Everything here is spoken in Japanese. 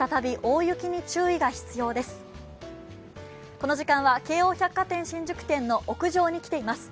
この時間は京王百貨店新宿店の屋上に来ています。